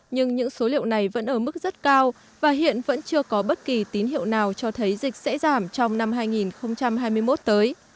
nhưng những số liệu này vẫn ở mức rất cao và hiện vẫn chưa có bất kỳ tín hiệu nào cho thấy dịch sẽ giảm trong năm hai nghìn hai mươi một tới